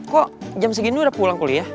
kok jam segini udah pulang kuliah